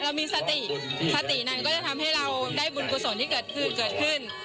เรามีสติสตินั้นก็จะทำให้เราได้บุญกุศลที่เกิดขึ้นเกิดขึ้น